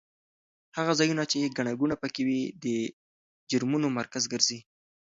هغه ځایونه چې ګڼه ګوڼه پکې وي د جرمونو مرکز ګرځي.